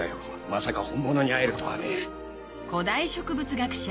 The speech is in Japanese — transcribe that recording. まさか本物に会えるとはね。